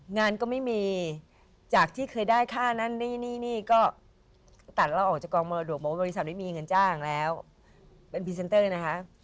งานก็ไม่มีจากที่เคยได้ค่านั่นนี่นี่ก็ตัดเราออกจากกองมรดกบอกว่าบริษัทไม่มีเงินจ้างแล้วเป็นพรีเซนเตอร์นะคะ